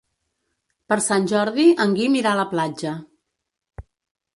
Per Sant Jordi en Guim irà a la platja.